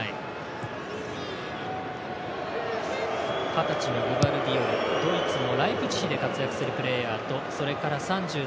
二十歳のグバルディオルドイツのライプチヒで活躍するプレーヤーとそれから３３歳